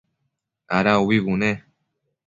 Ada ubi bune?